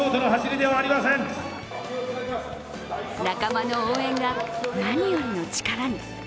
仲間の応援が何よりの力に。